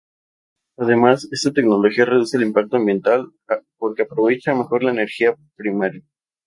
Además, esta tecnología reduce el impacto ambiental, porque aprovecha mejor la energía primaria.